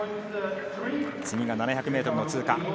次が７００ｍの通過。